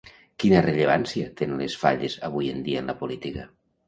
Quina rellevància tenen les Falles avui en dia en la política?